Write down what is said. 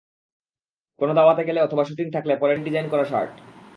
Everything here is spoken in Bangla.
কোনো দাওয়াতে গেলে অথবা শুটিং থাকলে পরেন নিজের ডিজাইন করা শার্ট।